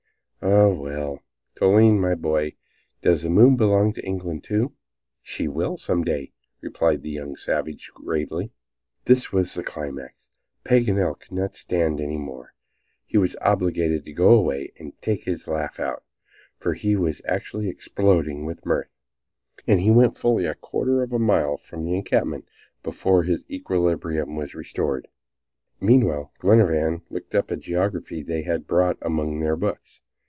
Ah, well, Toline, my boy, does the moon belong to England, too?" "She will, some day," replied the young savage, gravely. This was the climax. Paganel could not stand any more. He was obliged to go away and take his laugh out, for he was actually exploding with mirth, and he went fully a quarter of a mile from the encampment before his equilibrium was restored. Meanwhile, Glenarvan looked up a geography they had brought among their books.